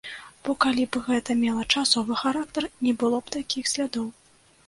Бо калі б гэта мела часовы характар, не было б такіх слядоў.